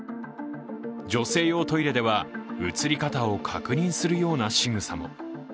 女性用トイレでは映り方を確認するようなしぐさも。